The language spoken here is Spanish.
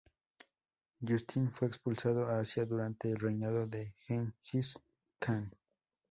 Justin fue expulsado a Asia durante el reinado de Genghis Khan.